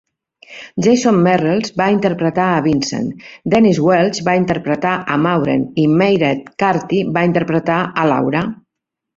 Jason Merrells va interpretar a Vincent, Denise Welch va interpretar a Maureen i Mairead Carty va interpretar a Laura.